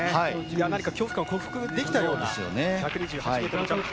何か恐怖感を克服できたような１２８ｍジャンプ。